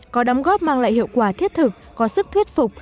có đóng góp mang lại hiệu quả thiết thực có sức thuyết phục